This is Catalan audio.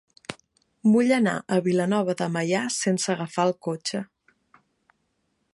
Vull anar a Vilanova de Meià sense agafar el cotxe.